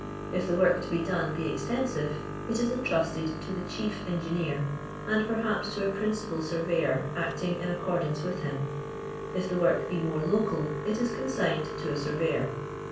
If the work to be done be extciisiv*', it is entrust, d to the chief engineer, and perhaps to a principal surveyor acting in acc(»rdance with him ; if tlic work Le more local, it is consigned to a surveyor.